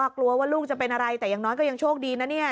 กลัวว่าลูกจะเป็นอะไรแต่อย่างน้อยก็ยังโชคดีนะเนี่ย